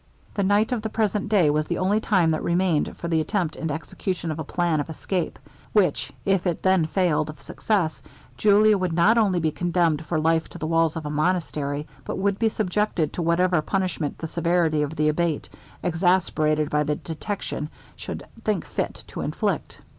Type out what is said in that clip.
The night of the present day was the only time that remained for the attempt and execution of a plan of escape, which if it then failed of success, Julia would not only be condemned for life to the walls of a monastery, but would be subjected to whatever punishment the severity of the Abate, exasperated by the detection, should think fit to inflict.